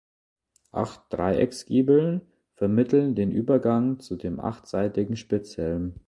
Acht Dreiecksgiebel vermitteln den Übergang zu dem achtseitigen Spitzhelm.